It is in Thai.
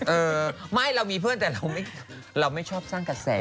เออไม่เรามีเพื่อนแต่เราไม่ชอบสร้างกระแส